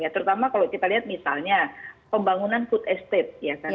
terutama kalau kita lihat misalnya pembangunan food estate